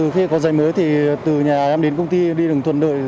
khi có giấy mới từ nhà đến công ty đi đường thuận lợi